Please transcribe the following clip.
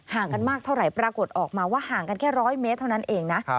กันมากเท่าไหร่ปรากฏออกมาว่าห่างกันแค่๑๐๐เมตรเท่านั้นเองนะ